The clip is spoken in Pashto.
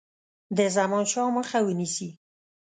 د زمانشاه مخه ونیسي.